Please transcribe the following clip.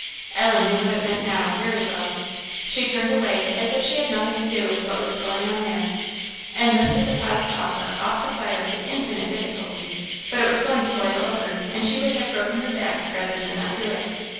Ellen knew what it meant now, very well. She turned away as if she had nothing to do with what was going on there, and lifted the pot of chocolate off the fire with infinite difficulty; but it was going to boil over, and she would have broken her back rather than not do it.